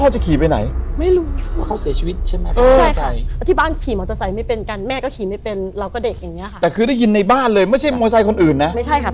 ใช่ค่ะแล้วจอดเก็บไว้ไงคะมันด้วยสิค่ะ